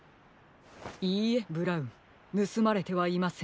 いいえブラウンぬすまれてはいませんよ。